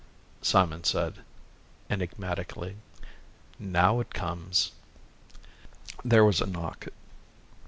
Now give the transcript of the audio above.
Simon said, enigmatically, "Now it comes." There was a knock.